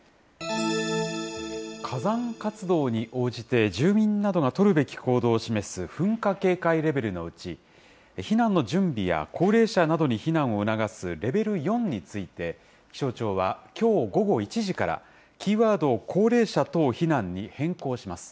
火山活動に応じて、住民などが取るべき行動を示す噴火警戒レベルのうち、避難の準備や高齢者などに避難を促すレベル４について、気象庁はきょう午後１時から、キーワードを高齢者等避難に変更します。